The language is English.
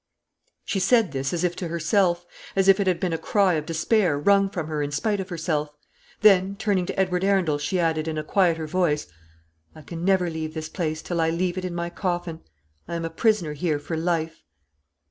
She said this as if to herself; as if it had been a cry of despair wrung from her in despite of herself; then, turning to Edward Arundel, she added, in a quieter voice, "I can never leave this place till I leave it in my coffin. I am a prisoner here for life."